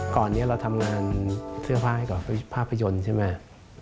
ก่อนนี้เราทำงานเสื้อผ้าให้กับภาพยนตร์ใช่ไหม